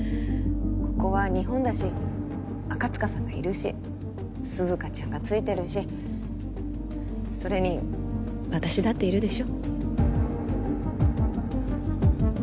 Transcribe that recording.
ここは日本だし赤塚さんがいるし涼香ちゃんがついてるしそれに私だっているでしょ？